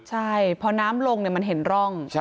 ใช่พอน้ำลงมันเห็นร่อง